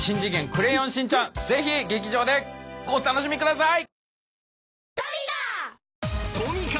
クレヨンしんちゃん』ぜひ劇場でお楽しみください！